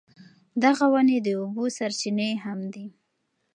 دغه ونې د اوبو سرچینه هم دي.